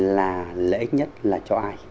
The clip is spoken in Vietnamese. là lợi ích nhất là cho ai